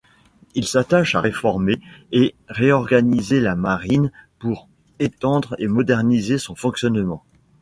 Il s'attache à réformer et réorganiser la marine pour étendre et moderniser son fonctionnement.